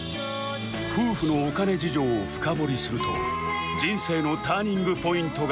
夫婦のお金事情を深掘りすると人生のターニングポイントが明らかに